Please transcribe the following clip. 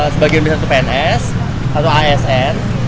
sebagian dari satu pns atau asn